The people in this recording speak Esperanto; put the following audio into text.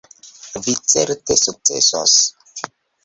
Vi certe sukcesos.